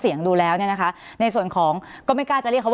เสียงดูแล้วเนี้ยนะคะในส่วนของก็ไม่กล้าจะเรียกคำ